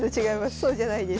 そうじゃないです。